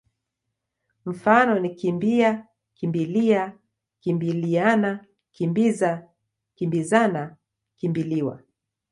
Mifano ni kimbi-a, kimbi-lia, kimbili-ana, kimbi-za, kimbi-zana, kimbi-liwa.